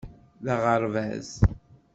D aɣerbaz.